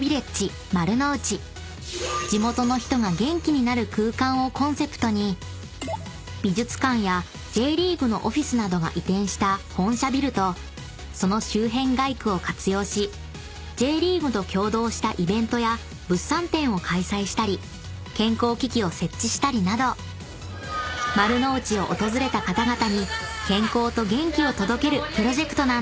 ［地元の人が元気になる空間をコンセプトに美術館やＪリーグのオフィスなどが移転した本社ビルとその周辺街区を活用しＪリーグと協働したイベントや物産展を開催したり健康機器を設置したりなど丸の内を訪れた方々に健康と元気を届けるプロジェクトなんです］